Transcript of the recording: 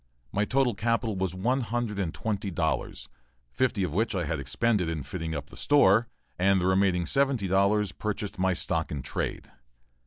My total capital was one hundred and twenty dollars, fifty of which I had expended in fitting up the store, and the remaining seventy dollars purchased my stock in trade.